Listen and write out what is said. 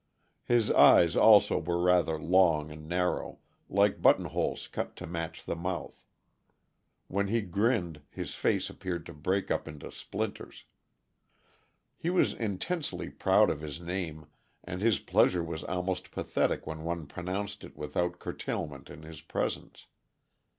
His eyes also were rather long and narrow, like buttonholes cut to match the mouth. When he grinned his face appeared to break up into splinters. He was intensely proud of his name, and his pleasure was almost pathetic when one pronounced it without curtailment in his presence.